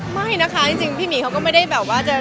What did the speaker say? ไม่นะคะจริงพี่หมีเขาก็ไม่ได้แบบว่าจะ